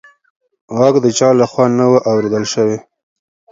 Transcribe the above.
غږ د چا لخوا نه و اورېدل شوې.